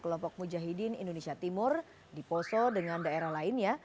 kelompok mujahidin indonesia timur di poso dengan daerah lainnya